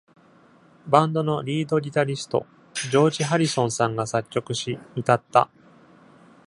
バンドのリードギタリスト、ジョージハリソンさんが作曲し、歌った。